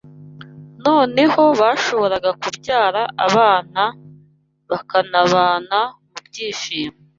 Noneho bashoboraga kubyara abana bakanabana mu byishimo